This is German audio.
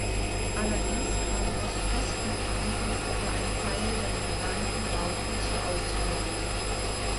Allerdings kam aus Kostengründen nur ein Teil der geplanten Bauten zur Ausführung.